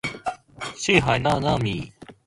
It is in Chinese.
七海娜娜米